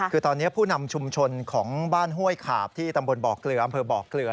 คือตอนนี้ผู้นำชุมชนของบ้านห้วยขาบที่ตำบลบ่อเกลืออำเภอบ่อเกลือ